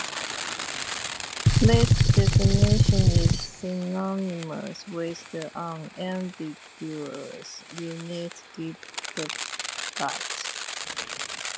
This definition is synonymous with the unambiguous unit gibibyte.